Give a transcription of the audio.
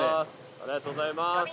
ありがとうございます。